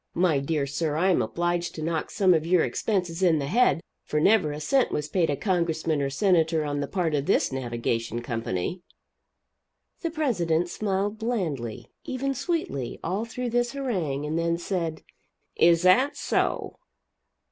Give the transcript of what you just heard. My dear sir, I am obliged to knock some of your expenses in the head for never a cent was paid a Congressman or Senator on the part of this Navigation Company." The president smiled blandly, even sweetly, all through this harangue, and then said: "Is that so?"